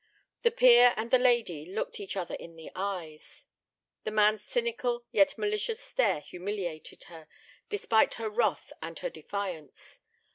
The peer and the lady looked each other in the eyes. The man's cynical yet malicious stare humiliated her, despite her wrath and her defiance.